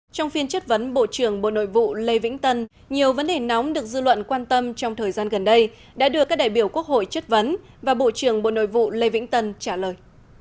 trong phiên chất vấn bộ trưởng bộ nội vụ lê vĩnh tân nhiều vấn đề nóng được dư luận quan tâm trong thời gian gần đây đã được các đại biểu quốc hội chất vấn và bộ trưởng bộ nội vụ lê vĩnh tân trả lời